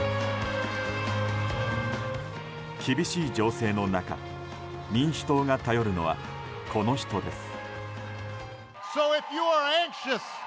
厳しい情勢の中民主党が頼るのは、この人です。